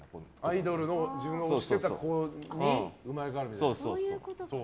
アイドルの、自分の推してた子に生まれ変わるんだ。